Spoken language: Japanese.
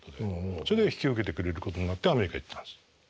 それで引き受けてくれることになってアメリカ行ったんです。